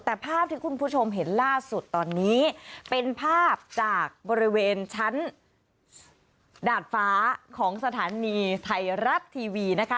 แต่ภาพที่คุณผู้ชมเห็นล่าสุดตอนนี้เป็นภาพจากบริเวณชั้นดาดฟ้าของสถานีไทยรัฐทีวีนะคะ